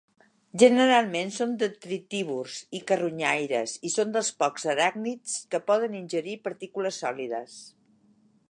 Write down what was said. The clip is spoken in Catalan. Generalment són detritívors i carronyaires i són dels pocs aràcnids que poden ingerir partícules sòlides.